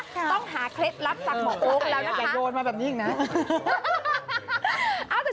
ต้องหาเคล็ดลับจากหมอโอ๊คแล้วนะคะ